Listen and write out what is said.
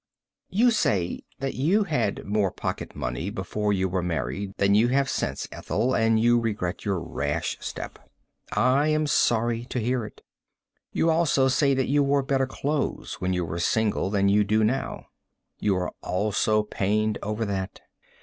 You say that you had more pocket money before you were married than you have since, Ethel, and you regret your rash step. I am sorry to hear it. You also say that you wore better clothes when you were single than you do now. You are also pained over that.